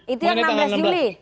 itu yang enam belas juli